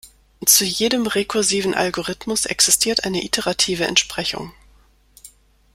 Zu jedem rekursiven Algorithmus existiert eine iterative Entsprechung.